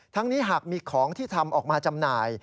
นี้หากมีของที่ทำออกมาจำหน่าย